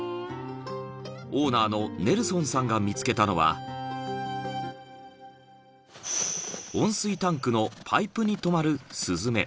［オーナーのネルソンさんが見つけたのは温水タンクのパイプに止まるスズメ］